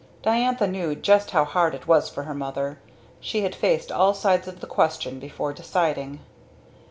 Diantha knew just how hard it was for her mother. She had faced all sides of the question before deciding.